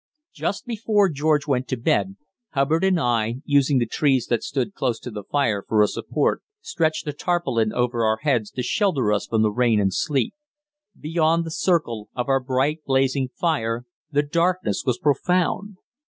Just before George went to bed, Hubbard and I, using the trees that stood close to the fire for a support, stretched a tarpaulin over our heads, to shelter us from the rain and sleet. Beyond the circle of our bright blazing fire the darkness was profound.